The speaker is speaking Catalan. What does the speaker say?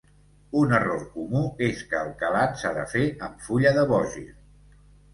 Un error comú es que el calat s'ha de fer amb fulla de vogir.